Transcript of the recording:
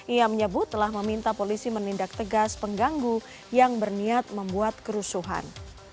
ia menyebut telah meminta polisi menindak tegas pengganggu yang berniat membuat kerusuhan